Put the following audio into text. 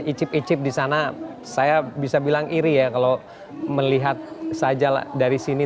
icip icip di sana saya bisa bilang iri ya kalau melihat saja dari sini